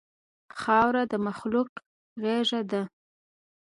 خاوره د مخلوق غېږه ده.